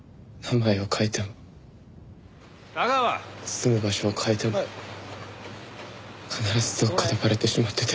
住む場所を変えても必ずどっかでバレてしまってて。